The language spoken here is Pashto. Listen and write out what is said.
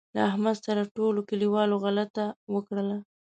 له احمد سره ټولوکلیوالو غلطه وکړله.